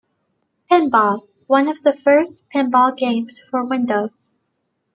Pinball, one of the first pinball games for Windows.